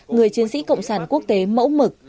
người chiến sĩ cộng sản quốc tế mẫu mực